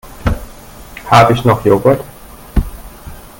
Habe ich noch Joghurt?